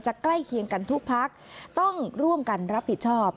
ใกล้เคียงกันทุกพักต้องร่วมกันรับผิดชอบ